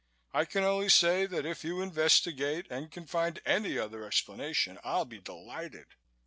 I can only say that if you investigate and can find any other explanation I'll be delighted."